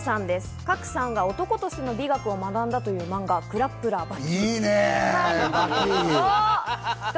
賀来さんが男としての美学を学んだというマンガ『グラップラー刃牙』。